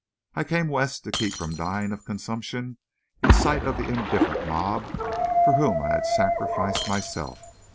I came West to keep from dying of consumption in sight of the indifferent mob for whom I had sacrificed myself.